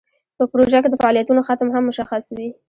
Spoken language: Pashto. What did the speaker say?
په پروژه کې د فعالیتونو ختم هم مشخص وي.